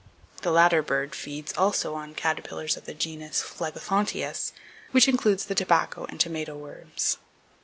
The latter bird feeds also on caterpillars of the genus Phlegethontius, which includes, the tobacco and tomato worms.